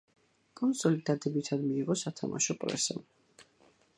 კონსოლი დადებითად მიიღო სათამაშო პრესამ.